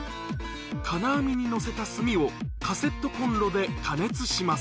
金網に載せた炭をカセットコンロで加熱します。